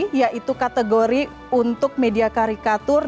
yaitu kategori untuk media karikatur